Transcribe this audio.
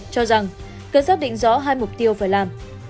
cho rằng cơ sát định rõ hai mục tiêu phải làm